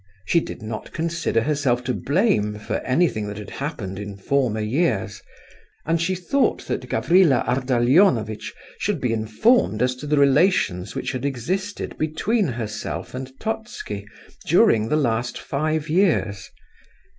She did not consider herself to blame for anything that had happened in former years, and she thought that Gavrila Ardalionovitch should be informed as to the relations which had existed between herself and Totski during the last five years.